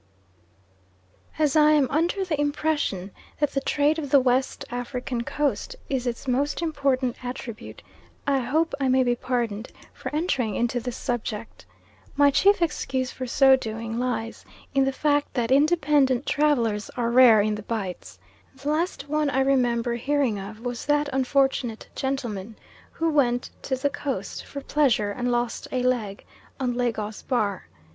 As I am under the impression that the trade of the West African Coast is its most important attribute, I hope I may be pardoned for entering into this subject. My chief excuse for so doing lies in the fact that independent travellers are rare in the Bights. The last one I remember hearing of was that unfortunate gentleman who went to the Coast for pleasure and lost a leg on Lagos Bar.